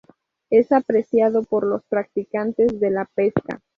Es apreciado por los practicantes de la pesca.